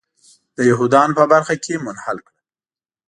د یهودانو په برخه کې منحل کړه.